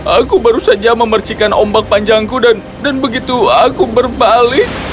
aku baru saja memercikan ombak panjangku dan begitu aku berbalik